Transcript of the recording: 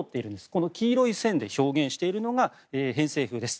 この黄色い線で表現しているのが偏西風です。